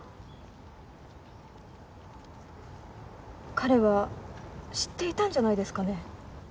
彼は知っていたんじゃないですかね？